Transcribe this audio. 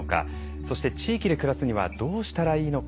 そして、地域で暮らすにはどうしたらいいのか。